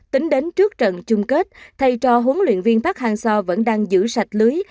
tính đến trước trận chung kết thầy trò huấn luyện viên phát hàng xo vẫn đang giữ sạch lưới